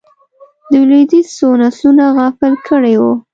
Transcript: د لوېدیځ څو نسلونه غافل کړي وو.